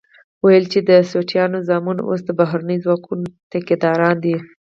ويل يې چې د سوټيانو زامن اوس د بهرنيو ځواکونو ټيکه داران دي.